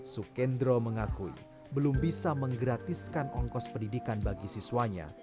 sukendro mengakui belum bisa menggratiskan ongkos pendidikan bagi siswanya